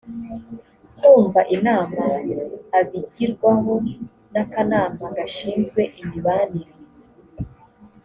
kumva inama abigirwaho n akanama gashinzwe imibanire